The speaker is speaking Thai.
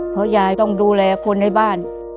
เพราะยายต้องดูแลคนในบ้าน